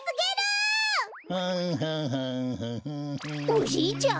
おじいちゃん？